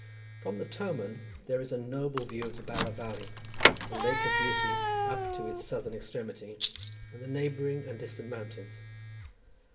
From the Tomen there is a noble view of the Bala valley, the Lake of Beauty up to its southern extremity, and the neighbouring and distant mountains.